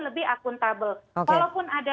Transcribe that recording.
lebih akuntabel walaupun ada